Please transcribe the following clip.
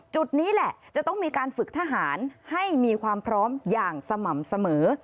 จุดนี้แหละจะต้องมีการฝึกทหารให้มีความพร้อมอย่างสม่ำเสมอ